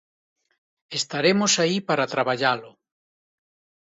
Estaremos aí para traballalo.